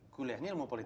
kuliahnya ilmu politik